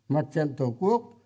mặt trận tổ quốc